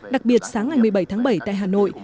đặc biệt sáng ngày một mươi bảy tháng bảy tại hà nội